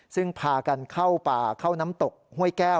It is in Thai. ซึ่งพากันเข้าป่าเข้าน้ำตกห้วยแก้ว